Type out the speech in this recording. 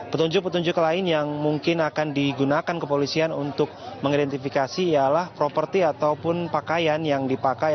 petunjuk petunjuk lain yang mungkin akan digunakan kepolisian untuk mengidentifikasi ialah properti ataupun pakaian yang dipakai